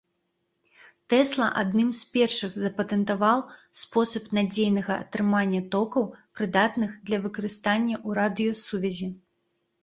Тэсла адным з першых запатэнтаваў спосаб надзейнага атрымання токаў, прыдатных для выкарыстання ў радыёсувязі.